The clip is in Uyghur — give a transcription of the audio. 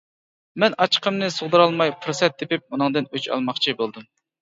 مەن ئاچچىقىمنى سىغدۇرالماي پۇرسەت تېپىپ ئۇنىڭدىن ئۆچ ئالماقچى بولدۇم.